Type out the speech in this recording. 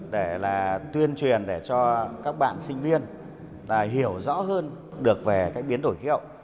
để tuyên truyền cho các bạn sinh viên hiểu rõ hơn về biến đổi khí hậu